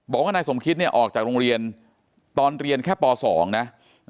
บอกว่านายสมคิตเนี่ยออกจากโรงเรียนตอนเรียนแค่ป๒นะ